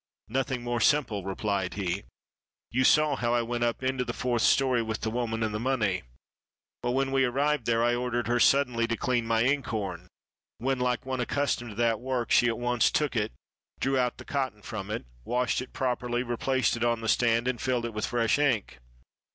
"Nothing more simple," replied he. "You saw how I went up into the fourth story with the woman and the money. Well, when we arrived there, I ordered her sud 532 JUSTICE IN ARABIA denly to clean my inkhorn, when, like one accustomed to that work, she at once took it, drew out the cotton from it, washed it properly, replaced it on the stand, and filled it with fresh ink.